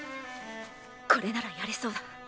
これならやれそうだ。